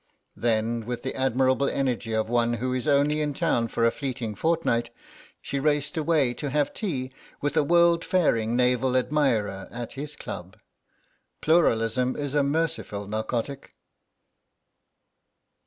Then, with the admirable energy of one who is only in town for a fleeting fortnight, she raced away to have tea with a world faring naval admirer at his club. Pluralism is a merciful narcotic.